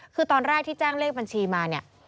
คือตอนแรกที่แจ้งเลขบัญชีมาเนี่ย